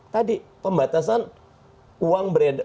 tadi pembatasan uang